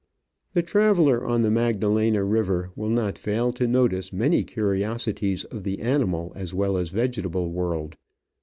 The traveller on the Magdalena River will not fail to notice many curiosities of the animal as well as the vegetable world.